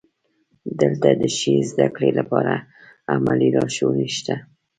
دلته د ښې زده کړې لپاره عملي لارښوونې شته.